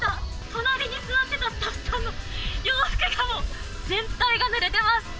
隣に座ってたスタッフさんも、洋服がもう、全体がぬれてます。